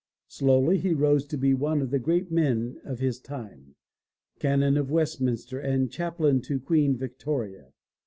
Slowly he rose to be one of the great men of his time. Canon of Westminster and Chaplain to Queen Victoria.